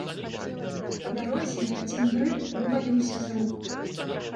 Па дарозе адзін грыб вываліўся з рук.